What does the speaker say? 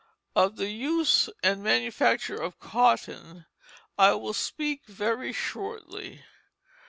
Of the use and manufacture of cotton I will speak very shortly.